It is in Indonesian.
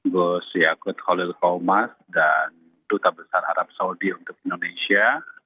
gus yakut khalil koumas dan duta besar arab saudi untuk indonesia